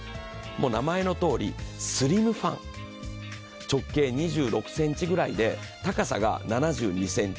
名前のとおりスリムファン、直径２６ｃｍくらいで、高さが７２ｃｍ。